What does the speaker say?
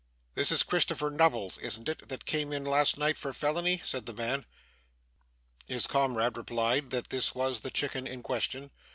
'This is Christopher Nubbles, isn't it, that come in last night for felony?' said the man. His comrade replied that this was the chicken in question.